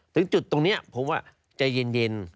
ถึงจุดตรงนี้ผมว่าใจเย็น